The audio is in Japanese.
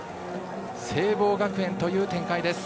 聖望学園という展開です。